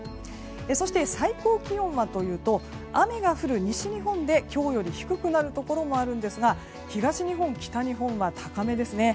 そして、最高気温はというと雨が降る西日本で今日より低くなるところもあるんですが東日本、北日本は高めですね。